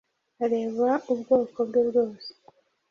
areba ubwoko bwe bwose,